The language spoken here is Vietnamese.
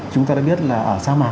chúng ta đã biết là ở sa mạc